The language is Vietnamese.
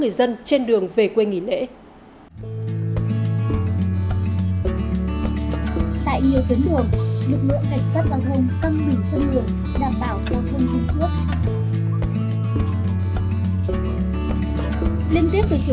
hành trình về quê trở nên